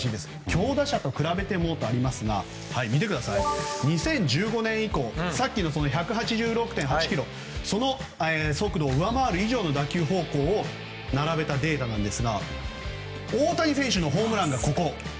強打者と比べてもとありますが２０１５年以降さっきの１８６．８キロというその速度を上回る打球方向を並べましたが大谷選手のホームランが、ここ。